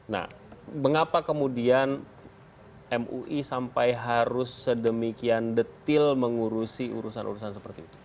nah mengapa kemudian mui sampai harus sedemikian detil mengurusi urusan urusan seperti itu